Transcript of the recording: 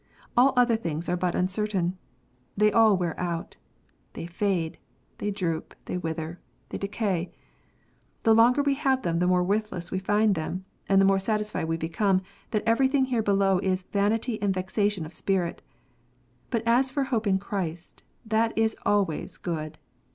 All other things are but uncertain. They all wear out. They fade. They droop. They wither. They decay. The longer we have them the more worthless we find them, and the more satisfied we become, that everything here below is " vanity and vexation of spirit." But as for hope in Christ, that is always good.